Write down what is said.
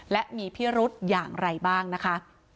และมีพิรุธอย่างไรบ้างนะคะ